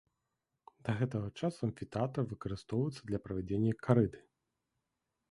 Да гэтага часу амфітэатр выкарыстоўваецца для правядзення карыды.